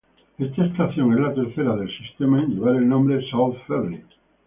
Esta estación es la tercera del sistema en llevar el nombre South Ferry.